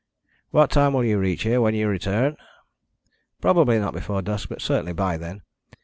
What time will you reach here when you return?" "Probably not before dusk, but certainly by then.